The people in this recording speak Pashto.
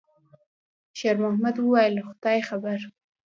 شېرمحمد وویل: «خدای خبر.»